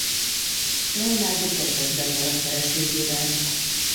Leonardo kettesben marad feleségével.